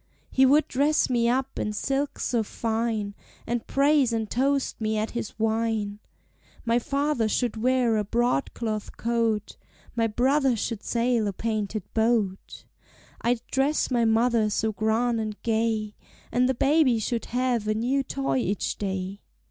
"He would dress me up in silks so fine, And praise and toast me at his wine. "My father should wear a broadcloth coat, My brother should sail a painted boat. "I 'd dress my mother so grand and gay, And the baby should have a new toy each day.